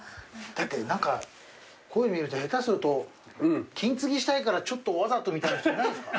だって何かこういうの見ると下手すると金継ぎしたいからちょっとわざとみたいな人いないんですか？